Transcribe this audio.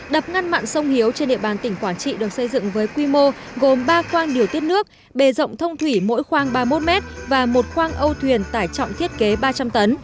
đập ngăn mặn sông hiếu trên địa bàn tỉnh quảng trị được xây dựng với quy mô gồm ba khoang điều tiết nước bề rộng thông thủy mỗi khoang ba mươi một m và một khoang âu thuyền tải trọng thiết kế ba trăm linh tấn